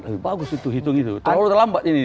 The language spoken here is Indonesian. lebih bagus itu hitung itu terlalu terlambat ini